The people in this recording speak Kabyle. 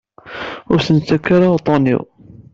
Ur asen-ttak ara uṭṭun-iw.